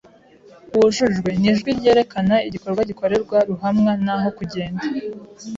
"Wujujwe" ni ijwi ryerekana igikorwa gikorerwa ruhamwa naho "kugenda"